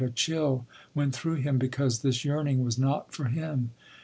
A chill went through him because this yearning was not for him.